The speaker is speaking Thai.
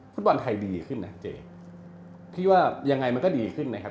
ฟุตบอลไทยดีขึ้นนะเจพี่ว่ายังไงมันก็ดีขึ้นนะครับ